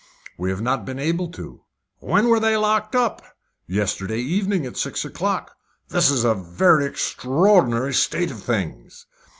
"We have not been able to." "When were they locked up?" "Yesterday evening at six o'clock." "This is a very extraordinary state of things."